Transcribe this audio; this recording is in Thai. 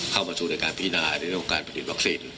เข้ามาสู่ในการพินาในเรื่องของการผลิตวัคซีน